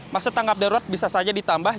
masa tanggap darurat bisa saja ditambah